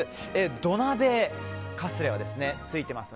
土鍋がカスレにはついてます。